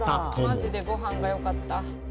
マジでご飯がよかった。